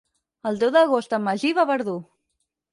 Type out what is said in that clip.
El deu d'agost en Magí va a Verdú.